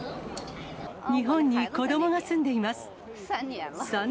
日本に子どもが住んでいます。